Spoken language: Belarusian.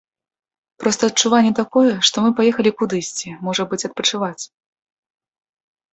Проста адчуванне такое, што мы паехалі кудысьці, можа быць, адпачываць.